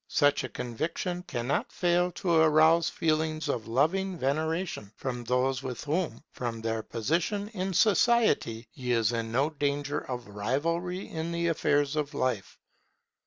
Such a conviction cannot fail to arouse feelings of loving veneration for those with whom, from their position in society, he is in no danger of rivalry in the affairs of life.